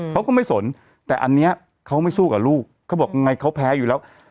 เขาก็ไม่สนแต่อันนี้เขาไม่สู้กับลูกเขาบอกไงเขาแพ้อยู่แล้ว